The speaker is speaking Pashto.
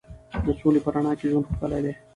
د سولې په رڼا کې ژوند ښکلی دی.